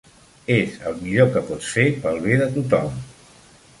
És el millor que pots fer pel bé de tothom.